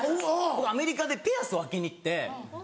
僕アメリカでピアスを開けに行って。